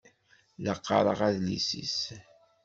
La qqaṛeɣ adlis-is.